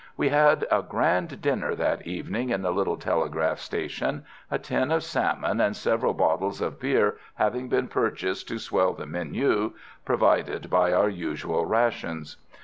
We had a grand dinner that evening in the little telegraph station, a tin of salmon and several bottles of beer having been purchased to swell the menu provided by our usual rations.